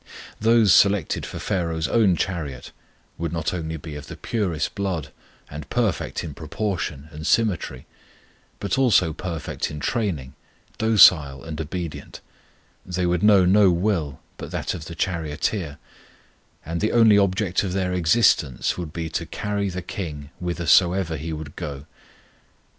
Those selected for Pharaoh's own chariot would not only be of the purest blood and perfect in proportion and symmetry, but also perfect in training, docile and obedient; they would know no will but that of the charioteer, and the only object of their existence would be to carry the king whithersoever he would go.